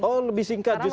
oh lebih singkat justru